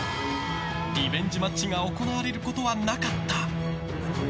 リベンジマッチが行われることはなかった。